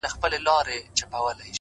ستا سندريز روح چي په موسکا وليد بل